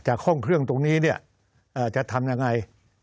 อุ้ยจากห้องเครื่องตรงนี้จะทำยังไง